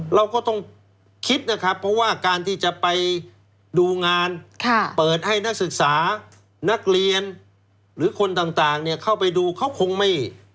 เราก็ต้องคิดนะครับเพราะว่าการที่จะไปดูงานเปิดให้นักศึกษานักเรียนหรือคนต่างเข้าไปดูเขาคงไม่